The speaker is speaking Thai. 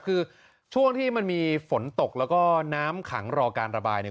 คือช่วงที่มันมีฝนตกแล้วก็น้ำขังรอการระบายเนี่ย